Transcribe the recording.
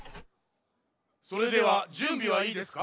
それではじゅんびはいいですか？